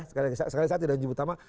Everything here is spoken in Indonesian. sekali lagi saya tidak menyebutkan sama